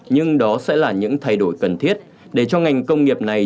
nhưng đó sẽ là những thay đổi cần thiết để cho ngành công nghiệp này